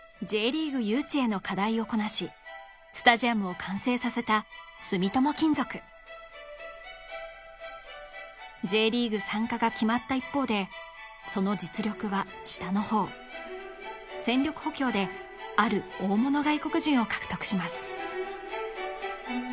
Ｊリーグ誘致への課題をこなしスタジアムを完成させた住友金属Ｊリーグ参加が決まった一方でその実力は下のほう戦力補強である大物外国人を獲得します